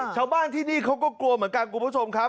ชาวบ้านที่นี่เขาก็กลัวเหมือนกันคุณผู้ชมครับ